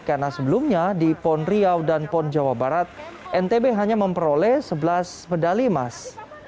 karena sebelumnya di pon riau dan pon jawa barat ntb hanya memperoleh sebelas medali emas